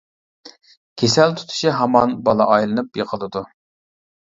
كېسەل تۇتۇشى ھامان بالا ئايلىنىپ يىقىلىدۇ.